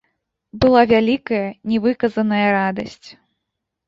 Была вялікая, нявыказаная радасць.